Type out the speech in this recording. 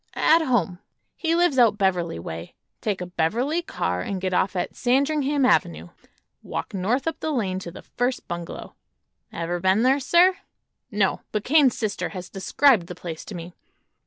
"At home. He lives out Beverly way. Take a Beverly car and get off at Sandringham avenue. Walk north up the lane to the first bungalow." "Ever been there, sir?" "No; but Kane's sister has described the place to me.